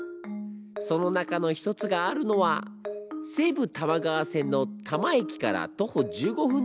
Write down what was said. その中の一つがあるのは西武多摩川線の多磨駅から徒歩１５分